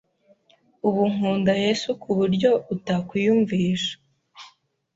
ubu nkunda Yesu ku buryo utakwiyumvisha